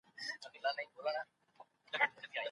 د اروپا تاريخ له عبرتونو ډک دی.